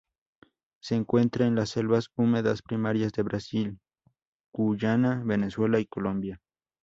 Se encuentra en las selvas húmedas primarias de Brasil, Guyana, Venezuela y Colombia.